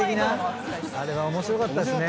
あれは面白かったっすね。